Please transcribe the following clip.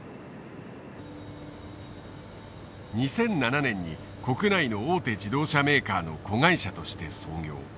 ２００７年に国内の大手自動車メーカーの子会社として創業。